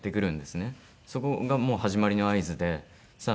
そこがもう始まりの合図でさあ